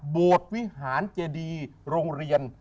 โบสถ์วิหารเจดีโรงเรียน